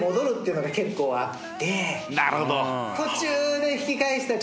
なるほど。